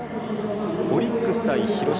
オリックス対広島。